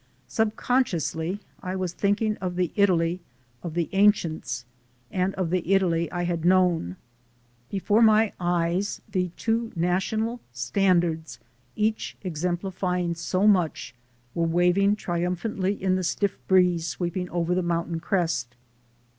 Subcon sciously I was thinking of the Italy of the Ancients and of the Italy I had known. Before my eyes the two national standards, each exemplifying so much, were waving triumphantly in the stiff breeze sweep ing over the mountain crest.